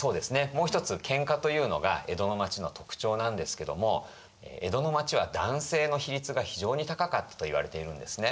もう一つ喧嘩というのが江戸の町の特徴なんですけども江戸の町は男性の比率が非常に高かったといわれているんですね。